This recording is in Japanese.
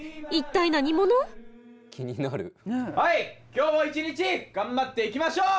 今日も一日頑張っていきましょう！